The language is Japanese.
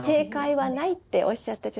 はい。